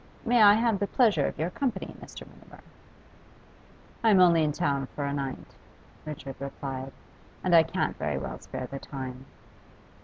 May I have the pleasure of your company, Mr. Mutimer?' 'I'm only in town for a night,' Richard replied; 'and I can't very well spare the time.